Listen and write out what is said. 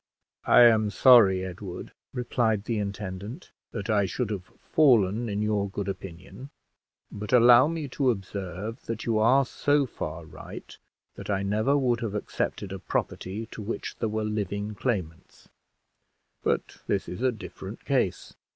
"I am sorry, Edward," replied the intendant, "that I should have fallen in your good opinion; but allow me to observe that you are so far right that I never would have accepted a property to which there were living claimants; but this is a different case.